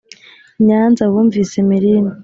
I Nyanza bumvise imirindi,